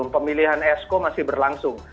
pemilihan esko masih berlangsung